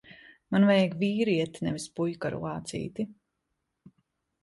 Man vajag vīrieti, nevis puiku ar lācīti.